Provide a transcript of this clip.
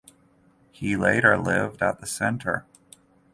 He later lived at the centre.